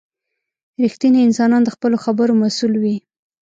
• رښتینی انسان د خپلو خبرو مسؤل وي.